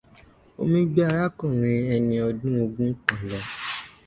Omi gbé arákùnrin ẹni ọdún ogún kan lọ.